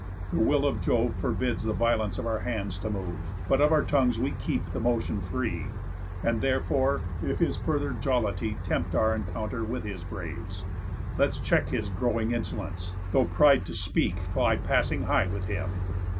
The will of Jove Forbids the violence of our hands to move, But of our tongues we keep the motion free, And, therefore, if his further jollity Tempt our encounter with his braves, let's check His growing insolence, though pride to speak Fly passing high with him."